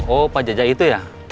oh pak jajah itu ya